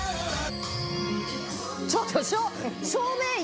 ちょっと！